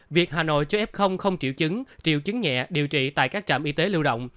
việc hà nội cho f không triệu chứng triệu chứng nhẹ điều trị tại các trạm y tế lưu động